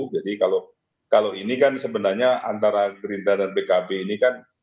jadi kalau ini kan sebenarnya antara gerindra dan pkb ini kan